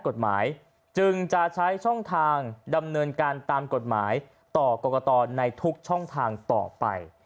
กฎหมายจึงจะใช้ช่องทางดำเนินการตามกฎหมายต่อกรกตในทุกช่องทางต่อไป